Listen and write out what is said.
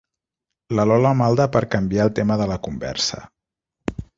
La Lola malda per canviar el tema de la conversa.